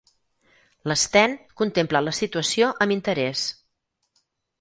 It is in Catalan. L'Sten contempla la situació amb interès.